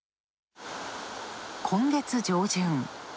今月上旬。